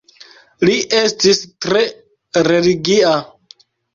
Li estis tre religia.